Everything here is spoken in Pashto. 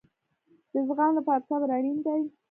د زغم لپاره صبر اړین دی